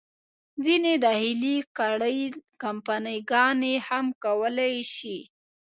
ځینې داخلي کړۍ، کمپني ګانې هم کولای شي.